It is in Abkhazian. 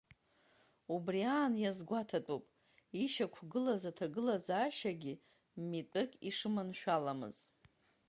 Убри аан, иазгәаҭатәуп ишьақәгылаз аҭагылазаашьагьы митәык ишыманшәаламыз.